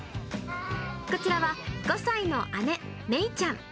こちらは５歳の姉、めいちゃん。